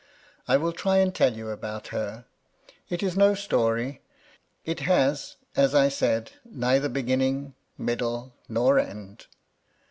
I will try and tell you about her. It is no story : it has, as I said, neither beginning, middle, nor end.